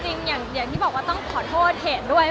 อย่างที่บอกว่าต้องขอโทษเขตด้วย